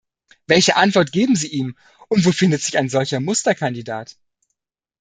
Welche Antwort geben Sie ihm, und wo findet sich ein solcher Musterkandidat?